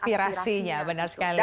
aspirasinya benar sekali